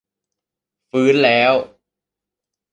ฟื้นแล้ว